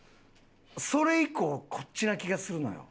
それ以降こっちな気がするのよ。